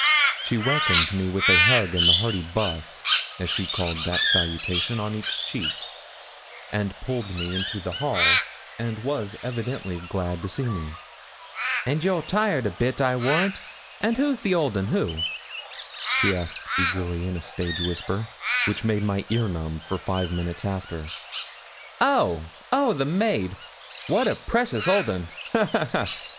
She welcomed me with a hug and a hearty buss, as she called that salutation, on each cheek, and pulled me into the hall, and was evidently glad to see me. 'And you're tired a bit, I warrant; and who's the old 'un, who?' she asked eagerly, in a stage whisper, which made my ear numb for five minutes after. 'Oh, oh, the maid! and a precious old 'un ha, ha, ha!